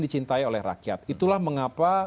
dicintai oleh rakyat itulah mengapa